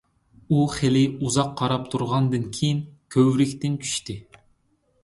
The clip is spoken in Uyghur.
ئۇ خېلى ئۇزاق قاراپ تۇرغاندىن كېيىن، كۆۋرۈكتىن چۈشتى.